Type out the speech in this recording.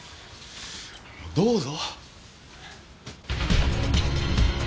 どうぞ！